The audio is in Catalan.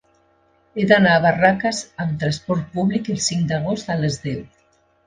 He d'anar a Barraques amb transport públic el cinc d'agost a les deu.